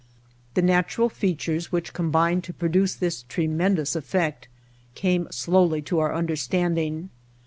The natural features which combined to pro duce this tremendous effect came slowly to our understanding.